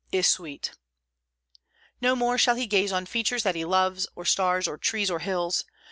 is sweet." No more shall he gaze on features that he loves, or stars, or trees, or hills.